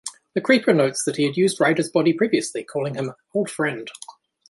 The Creeper notes that he had used Ryder's body previously, calling him "old friend".